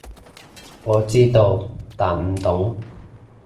我知道，但唔懂